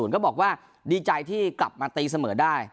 ก็บอกว่าดีใจที่กลับมาตีเสมอได้